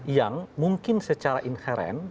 yang mungkin secara inherent